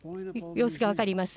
様子が分かります。